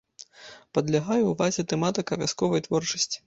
Падлягае ўвазе тэматыка вясковай творчасці.